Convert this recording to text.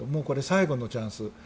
これは最後のチャンス。